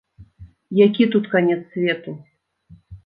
Які тут канец свету.